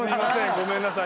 ごめんなさい。